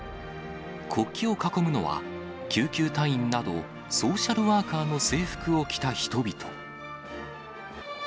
国旗を囲むのは、救急隊員などソーシャルワーカーの制服を着た人々。